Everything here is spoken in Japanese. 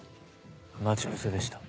待ち伏せでした。